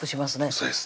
そうです